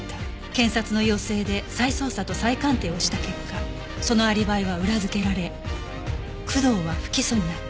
検察の要請で再捜査と再鑑定をした結果そのアリバイは裏付けられ工藤は不起訴になった